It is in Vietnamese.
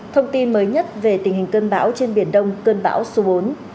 thông tin mới nhất về tình hình cơn bão trên biển đông cơn bão số bốn